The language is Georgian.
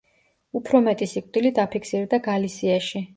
უფრო მეტი სიკვდილი დაფიქსირდა გალისიაში.